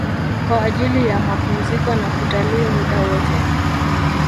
Kwa ajili ya mapumziko na kutalii muda wote